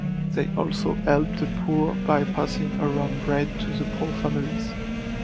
They also helped the poor by passing around bread to the poor families.